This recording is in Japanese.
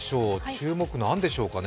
注目何でしょうかね？